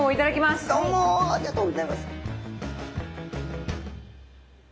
どうもありがとうギョざいます。